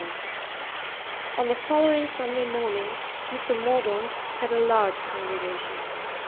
VII On the following Sunday morning, Mr. Mordaunt had a large congregation.